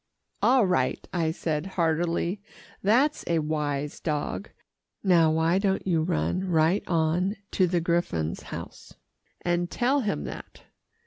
"All right," I said heartily. "That's a wise dog. Now why don't you run right on to the griffon's house, and tell him that?